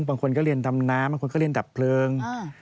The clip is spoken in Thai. บางคนก็เรียนดำน้ำบางคนก็เรียนดับเพลิง